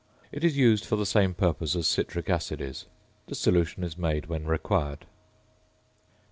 It is used for the same purposes as citric acid is. The solution is made when required.